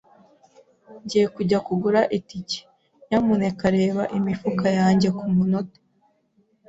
Ngiye kujya kugura itike, nyamuneka reba imifuka yanjye kumunota.